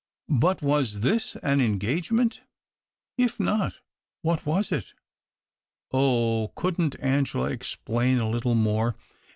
But was this an engagement ? If not, what was it ? Oh ! couldn't Angela explain a little more